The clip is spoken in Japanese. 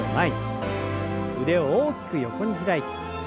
腕を大きく横に開いて。